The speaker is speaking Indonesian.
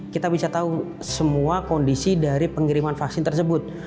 kita bisa tahu semua kondisi dari pengiriman vaksin tersebut